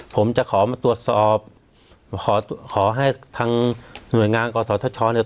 ผมจะขอมาตรวจสอบขอขอให้ทางหน่วยงานกศธชเนี่ย